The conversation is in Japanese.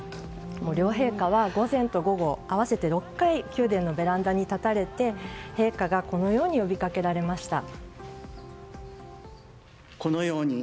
両陛下は午前と午後合わせて６回宮殿のベランダに立たれて陛下がこのように呼びかけられました。